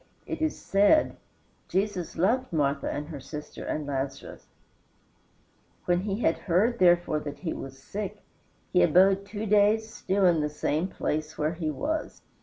It is said, "Jesus loved Martha and her sister and Lazarus; when he had heard, therefore, that he was sick, he abode two days still in the same place where he was."